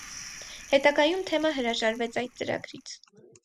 Հետագայում թեմը հրաժարվեց այդ ծրագրից։